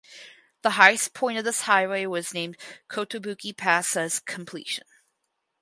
The highest point of this highway was named "Kotobuki Pass" at its completion.